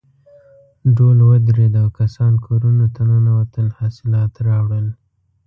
ډول ودرېد او کسان کورونو ته ننوتل حاصلات راوړل.